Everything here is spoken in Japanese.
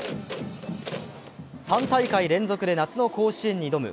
３大会連続で夏の甲子園に挑む